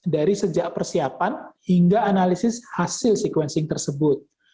dari sejak persiapan hingga analisis hasil sequencing tersebut